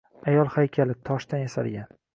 — Ayol haykali. Toshdan yasalgan